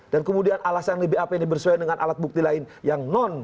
dan kemudian alasan bap ini bersesuaian dengan alat bukti lain yang non